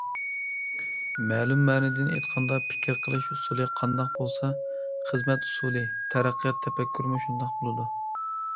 مەلۇم مەنىدىن ئېيتقاندا، پىكىر قىلىش ئۇسۇلى قانداق بولسا، خىزمەت ئۇسۇلى، تەرەققىيات تەپەككۇرىمۇ شۇنداق بولىدۇ.